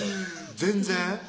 全然？